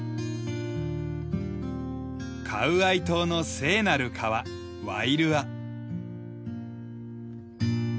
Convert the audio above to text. カウアイ島の聖なる川ワイルア。